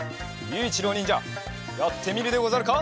ゆういちろうにんじゃやってみるでござるか？